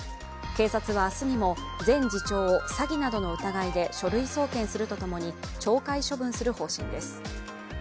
警察は明日にも前次長を詐欺などの疑いで書類送検するとともに懲戒処分する方針です。